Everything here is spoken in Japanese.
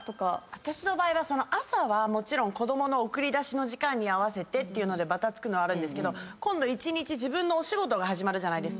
私の場合は朝はもちろん子供の送り出しの時間に合わせてばたつくのはあるんですけど今度一日自分のお仕事が始まるじゃないですか。